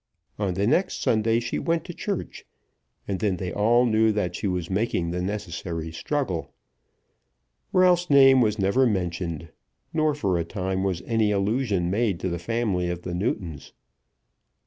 On the next Sunday she went to church, and then they all knew that she was making the necessary struggle. Ralph's name was never mentioned, nor for a time was any allusion made to the family of the Newtons.